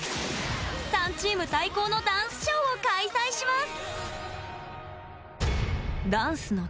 ３チーム対抗のダンスショーを開催します。